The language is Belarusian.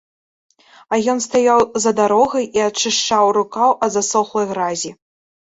А ён стаяў за дарогай і ачышчаў рукаў ад засохлай гразі.